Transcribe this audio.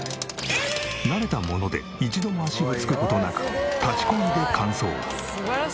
慣れたもので一度も足を着く事なく立ちこぎで完走。